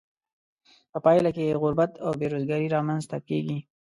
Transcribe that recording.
په پایله کې یې غربت او بې روزګاري را مینځ ته کیږي.